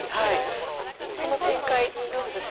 この展開どうでしょう白。